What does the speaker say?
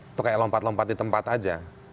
itu kayak lompat lompat di tempat aja